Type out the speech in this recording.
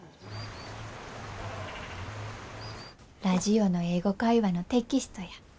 ラジオの「英語会話」のテキストや。